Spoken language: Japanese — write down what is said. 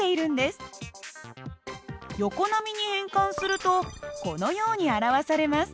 横波に変換するとこのように表されます。